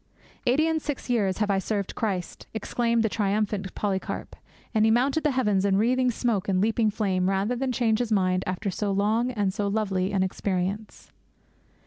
'Eighty and six years have I served Christ,' exclaimed the triumphant Polycarp; and he mounted the heavens in wreathing smoke and leaping flame rather than change his mind after so long and so lovely an experience.